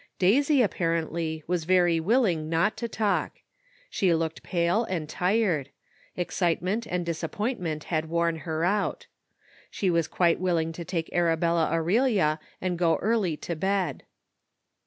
Daisy, apparently, was very willing not to talk ; 190 THE UNEXPECTED HAPPENS. she looked pale and tired — excitement and dis appointment had worn her out. She was quite willing to take Arabella Aurelia and go early to bed.